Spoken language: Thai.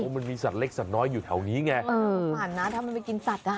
มันมีสัตว์เล็กสัตว์น้อยอยู่แถวนี้ไงหวานนะทำไมไม่กินสัตว์